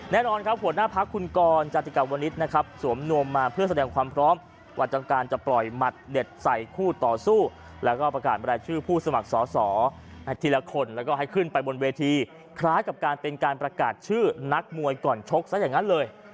แน่นอนครับหัวหน้าพักคุณกรจติกาวนิษฐ์นะครับสวมนวมมาเพื่อแสดงความพร้อมกว่าจำการจะปล่อยหมัดเด็ดใส่คู่ต่อสู้แล้วก็ประกาศรายชื่อผู้สมัครสอสอทีละคนแล้วก็ให้ขึ้นไปบนเวทีคล้ายกับการเป็นการประกาศชื่อนักมวยก่อนชกซะอย่างนั้นเลย